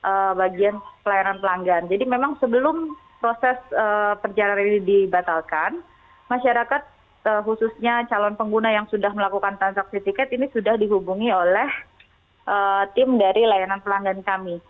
nah itu juga bisa dikatakan oleh pelayanan pelanggan jadi memang sebelum proses perjalanan ini dibatalkan masyarakat khususnya calon pengguna yang sudah melakukan transaksi tiket ini sudah dihubungi oleh tim dari pelayanan pelanggan kami